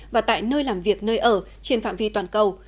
và tại nơi làm việc nơi ở trên phạm vi toàn cầu